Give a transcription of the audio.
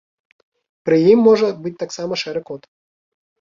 Пры ім можа быць таксама шэры кот.